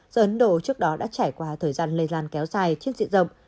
do ấn độ trước đó đã trải qua thời gian lây lan kéo dài chiến diện rộng